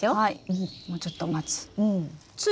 もうちょっと待つ。